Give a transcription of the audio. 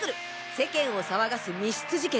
世間を騒がす密室事件。